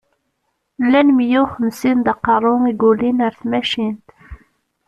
Llan miyya u xemsin d aqeṛṛu i yulin ar tmacint.